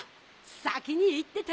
さきにいってて！